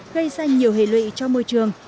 gây ra nhiều hệ lụy cho môi trường